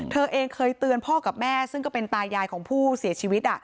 เธอเองเคยเตือนพ่อกับแม่ซึ่งก็เป็นตายายของผู้เสียชีวิต